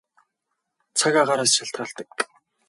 Цаг агаараас шалтгаалдаг.